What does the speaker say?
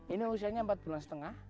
ini usianya empat bulan setengah